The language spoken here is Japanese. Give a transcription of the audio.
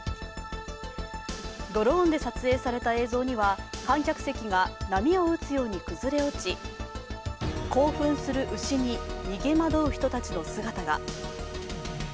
ドローンで撮影された映像には観客席が波を打つように崩れ落ち、興奮する牛に逃げ惑う人たちの姿が。